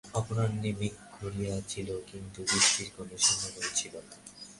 অপরাহ্নে মেঘ করিয়াছিল, কিন্তু বৃষ্টির কোনো সম্ভাবনা ছিল না।